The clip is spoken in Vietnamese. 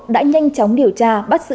đã nhanh chóng điều tra bắt giữ